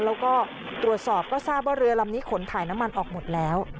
แล้วก็ตรวจสอบก็ทราบว่าเรือลำนี้ขนถ่ายน้ำมันออกหมดแล้ว